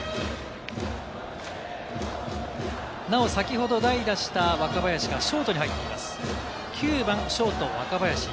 なお、先ほど代打した若林がショートに入っています、９番・ショート若林。